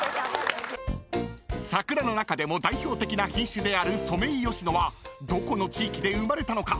［桜の中でも代表的な品種であるソメイヨシノはどこの地域で生まれたのか。